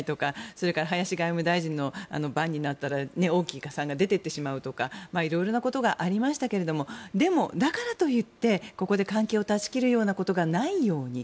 それから林外務大臣の番になったら王毅さんが出ていってしまうとか色々なことがありましたがでも、だからといってここで関係を断ち切ることがないように。